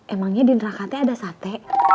emangnya di nerakate ada sate